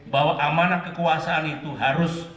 bahwa amanah kekuasaan itu harus